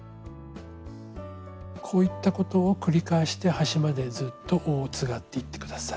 こういったことを繰り返して端までずっと緒をつがっていって下さい。